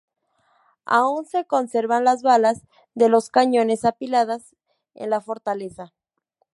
Aún se conservan las balas de los cañones apiladas en la fortaleza.